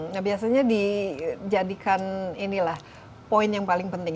nah biasanya dijadikan inilah poin yang paling penting